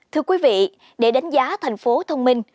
thưa quý vị để đánh giá thành phố thông minh